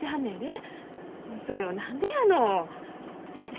それを何でやの？